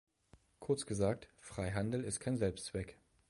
Kurz gesagt, Freihandel ist kein Selbstzweck.